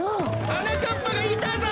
はなかっぱがいたぞ！